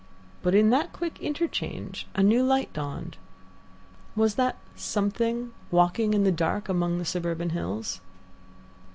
But in that quick interchange a new light dawned. Was that something" walking in the dark among the surburban hills?